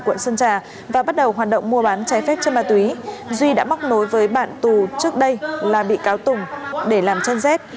quận sơn trà và bắt đầu hoạt động mua bán trái phép chân ma túy duy đã móc nối với bạn tù trước đây là bị cáo tùng để làm chân rét